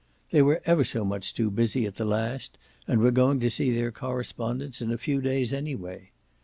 They were ever so much too busy at the last and were going to see their correspondents in a few days anyway.